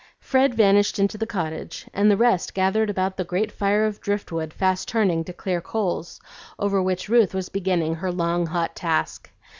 Fred vanished into the cottage, and the rest gathered about the great fire of driftwood fast turning to clear coals, over which Ruth was beginning her long hot task.